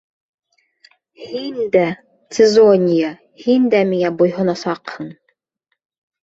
Һин дә, Цезония, һин дә миңә буйһонасаҡһың!